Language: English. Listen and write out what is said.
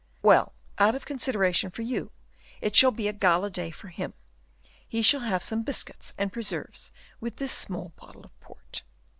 "Well, out of consideration for you, it shall be a gala day for him; he shall have some biscuits and preserves with this small bottle of port."